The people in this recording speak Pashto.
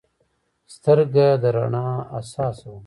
سترګه د رڼا حساسه ده.